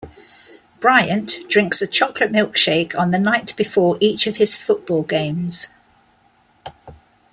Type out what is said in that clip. Bryant drinks a chocolate milkshake on the night before each of his football games.